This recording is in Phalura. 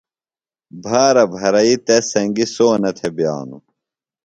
بھارہ بھرئی تس سنگیۡ سونہ تھےۡ بِیانہ۔